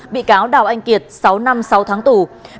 bị cáo đào anh kiệt sáu năm sáu tháng tù